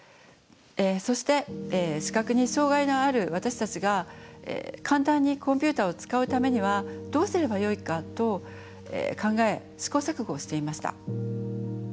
そして視覚に障害のある私たちが簡単にコンピューターを使うためにはどうすればよいかと考え試行錯誤をしていました。